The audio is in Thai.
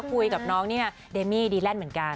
คุยกับน้องนี่ไงเดมี่ดีแลนด์เหมือนกัน